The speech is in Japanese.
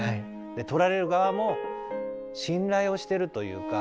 で撮られる側も信頼をしてるというか。